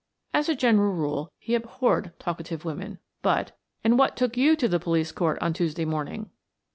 As a general rule he abhorred talkative women, but "And what took you to the police court on Tuesday morning?"